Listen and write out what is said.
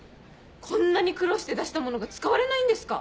こんなに苦労して出したものが使われないんですか？